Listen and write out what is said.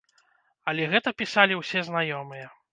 Але гэта пісалі ўсе знаёмыя.